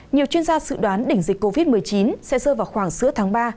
nhiều chuyên gia dự đoán đỉnh dịch covid một mươi chín sẽ rơi vào khoảng giữa tháng ba